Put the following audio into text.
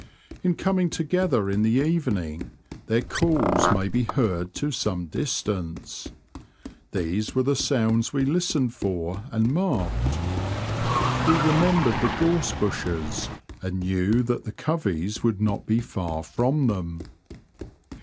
In coming together in the evening their calls may be heard to some distance. These were the sounds we listened for, and marked. We re membered the gorse bushes, and knew that the coveys would not be far from them.